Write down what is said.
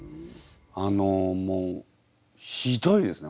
あのもうひどいですね